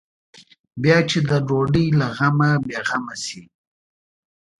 بیا چې د ډوډۍ له غمه بې غمه شي.